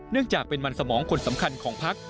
เนื่องจากเป็นมันสมองคนสำคัญของพักษมณ์